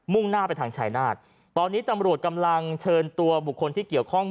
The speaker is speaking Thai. ่งหน้าไปทางชายนาฏตอนนี้ตำรวจกำลังเชิญตัวบุคคลที่เกี่ยวข้อง